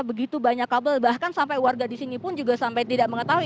begitu banyak kabel bahkan sampai warga di sini pun juga sampai tidak mengetahui